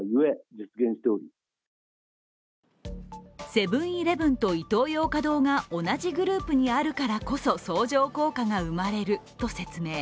セブン−イレブンとイトーヨーカ堂が同じグループにあるからこそ相乗効果が生まれると説明。